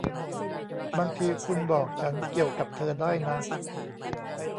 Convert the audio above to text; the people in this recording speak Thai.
บางทีคุณบอกฉันเกี่ยวกับเธอได้นะ